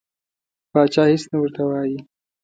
پاچا هیڅ نه ورته وایي.